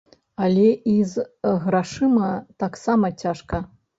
Але і з грашыма таксама цяжка.